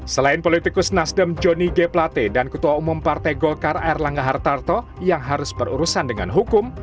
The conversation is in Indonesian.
selain politikus nasdem joni g plate dan ketua umum partai golkar air langga hartarto yang harus berurusan dengan hukum